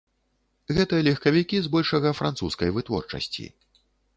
Гэта легкавікі збольшага французскай вытворчасці.